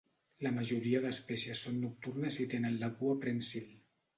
La majoria d'espècies són nocturnes i tenen la cua prènsil.